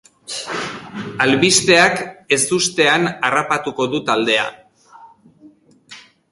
Albisteak ezustean harrapatuko du taldea.